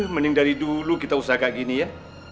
mending dari dulu kita usah kaya gini ya